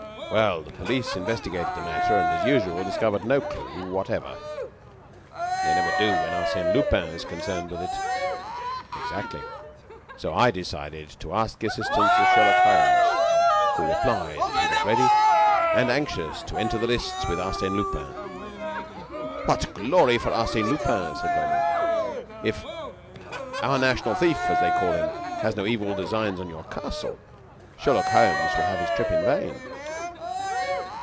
"Well, the police investigated the matter, and, as usual, discovered no clue whatever." "They never do, when Arsène Lupin is concerned in it." "Exactly; and so I decided to ask the assistance of Sherlock Holmes, who replied that he was ready and anxious to enter the lists with Arsène Lupin." "What glory for Arsène Lupin!" said Velmont. "But if our national thief, as they call him, has no evil designs on your castle, Sherlock Holmes will have his trip in vain."